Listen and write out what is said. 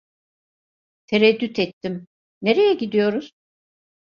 Tereddüt ettim: "Nereye gidiyoruz?"